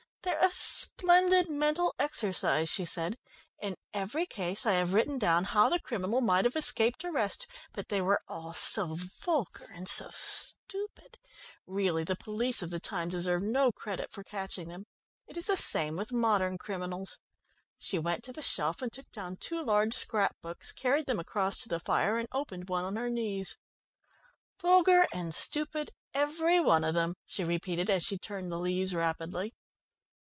"They're a splendid mental exercise," she said. "In every case I have written down how the criminal might have escaped arrest, but they were all so vulgar, and so stupid. Really the police of the time deserve no credit for catching them. It is the same with modern criminals...." She went to the shelf, and took down two large scrap books, carried them across to the fire, and opened one on her knees. "Vulgar and stupid, every one of them," she repeated, as she turned the leaves rapidly.